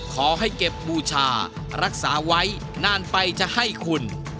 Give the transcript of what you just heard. ขอให้เก็บบูชารักษาไว้นานไปจะให้คุณ